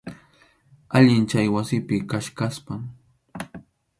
Allin chay wasipi kachkaspam.